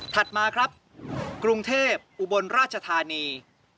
มาครับกรุงเทพอุบลราชธานี